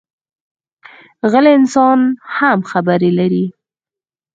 غلی انسان هم خبرې لري